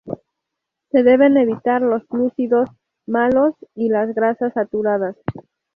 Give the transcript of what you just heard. Se deben evitar los glúcidos "malos" y las grasas saturadas.